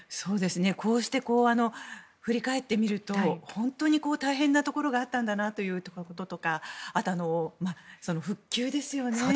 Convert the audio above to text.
こうして振り返ってみると本当に大変なところがあったんだなということとかあと、復旧ですよね。